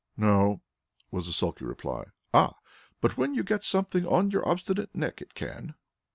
"No," was the sulky reply. "Ah, but when you get something on your obstinate neck it can.